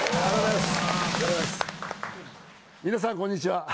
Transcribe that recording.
皆さんこんにちは。